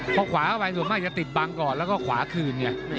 พอขวาเข้าไปส่วนมากจะติดบังก่อนแล้วก็ขวาคืนไง